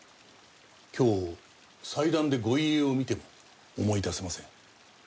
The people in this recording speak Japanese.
今日祭壇でご遺影を見ても思い出せません。